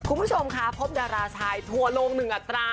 คุณผู้ชมครับพบดาราชายถั่วลงหนึ่งอัตรา